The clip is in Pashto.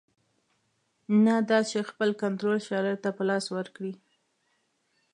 نه دا چې خپل کنټرول شرایطو ته په لاس ورکړي.